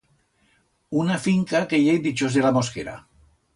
Una finca que i hei dichós de la mosquera.